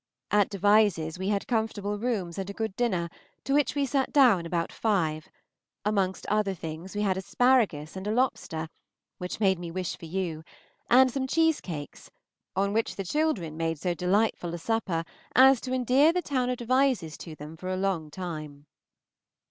At Devizes we had comfortable rooms and a good dinner, to which we sat down about five; amongst other things we had asparagus and a lobster, which made me wish for you, and some cheesecakes, on which the children made so delightful a supper as to endear the town of Devizes to them for a long time.